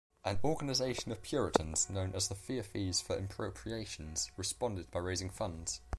An organization of Puritans known as the Feoffees for Impropriations responded by raising funds.